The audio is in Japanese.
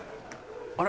あれ？